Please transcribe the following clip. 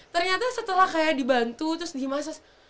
ternyata setelah kayak dibantu terus di massage